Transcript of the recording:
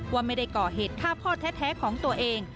ว่าไม่ได้ก่อเหตุฆ่าพ่อแท้ของตัวเอง